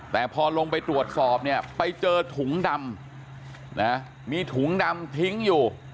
แต่พอลงไปตรวจสอบเนี่ยไปเจอถุงดำนะมีถุงดำทิ้งอยู่